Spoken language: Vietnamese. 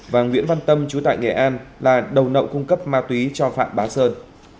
và nguyễn văn tâm chú tại nghệ an là đầu nậu cung cấp ma túy cho phạm bá sơn